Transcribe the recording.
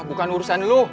ah bukan urusan lu